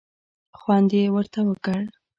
خوند یې ورته ورکړ.